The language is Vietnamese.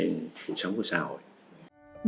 cuộc sống của xã hội